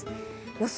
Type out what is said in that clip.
予想